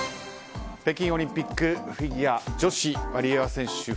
北京オリンピックフィギュア女子、ワリエワ選手